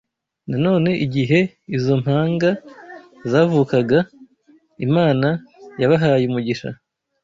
Nanone igihe izo mpanga zavukaga, Imana yabahaye umugisha